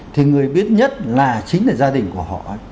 thì người biết nhất là chính là gia đình của họ